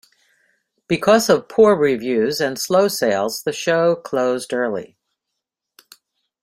Because of poor reviews and slow sales the show closed early.